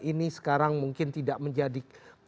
ini sekarang mungkin tidak menjadi